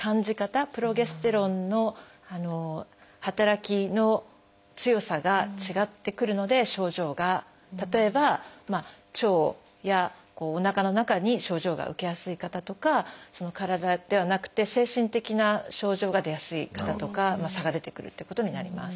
プロゲステロンの働きの強さが違ってくるので症状が例えば腸やおなかの中に症状が受けやすい方とか体ではなくて精神的な症状が出やすい方とか差が出てくるってことになります。